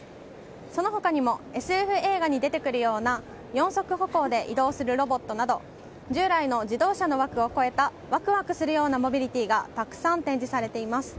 その他にもＳＦ映画に出てくるような四足歩行で移動するロボットなど従来の自動車の枠を超えたワクワクするようなモビリティーがたくさん展示されています。